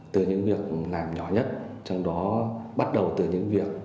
từ những việc làm nhỏ nhất trong đó bắt đầu từ những việc